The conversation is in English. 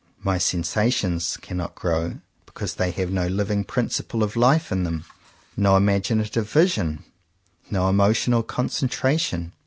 My sensations cannot grow because they have no living 25 CONFESSIONS OF TWO BROTHERS principle of life in them, no imaginative vision, no emotional concentration.